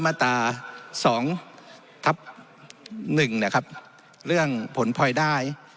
มาตร๒ทับ๑เรื่องผลพลอยได้